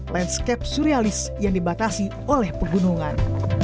landscape surialis yang dibatasi oleh pegunungan